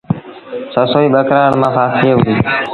سسئيٚ ٻڪرآڙ مآݩ ڦآسجي وُهڙي۔